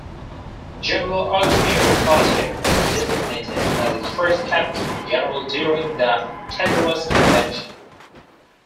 General Artemio Ricarte was designated as its first Captain General during the Tejeros Convention.